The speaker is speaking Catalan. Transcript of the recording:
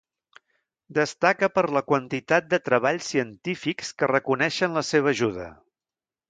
Destaca per la quantitat de treballs científics que reconeixen la seva ajuda.